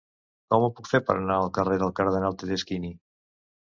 Com ho puc fer per anar al carrer del Cardenal Tedeschini?